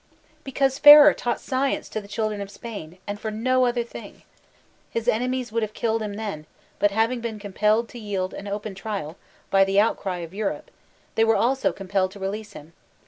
Because Ferrer taught science to the children of Spain, — and for no other thing. His enemies would have killed him then ; but having been compelled to yield an open trial, by the outcry of Europe, they were also conq)elled to release him.